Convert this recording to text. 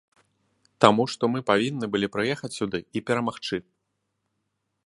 Таму што мы павінны былі прыехаць сюды і перамагчы.